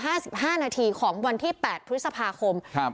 ห้าสิบห้านาทีของวันที่แปดพฤษภาคมครับ